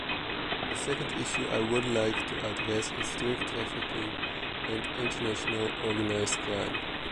The second issue I would like to address is drug trafficking and international organized crime.